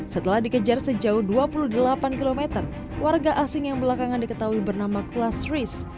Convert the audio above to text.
setelah dikejar sejauh dua puluh delapan km warga asing yang belakangan diketahui bernama kelas risk